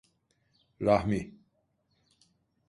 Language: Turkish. Rahmi…